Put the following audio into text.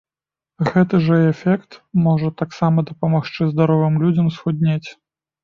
Гэты жа эфект можа таксама дапамагчы здаровым людзям схуднець.